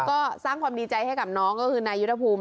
ก็สร้างความดีใจให้กับน้องก็คือนายุทธภูมิ